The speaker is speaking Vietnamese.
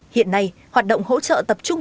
hiện nay hoạt động hỗ trợ tập trung